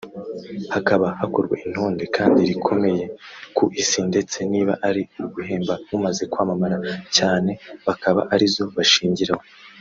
hakaba hakorwa intonde kandi rikomeye ku isi ndetse niba ari uguhemba umaze kwamamara cyane bakaba arizo bashingiraho